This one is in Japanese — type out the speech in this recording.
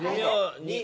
２。